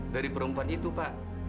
dari perempuan itu pak